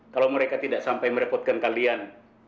kalau mereka tidak sampai merepotkan kalian